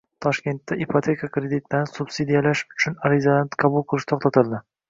Toshkentda ipoteka kreditlarini subsidiyalash uchun arizalarni qabul qilish to‘xtatildi